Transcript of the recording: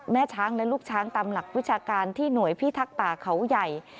แม่ช้างและลูกช้างตามหลักวิชาการที่หน่วยพิทักษ์ป่าเขาใหญ่